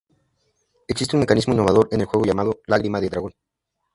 Existe un mecanismo innovador en el juego llamado "Lágrima de Dragón".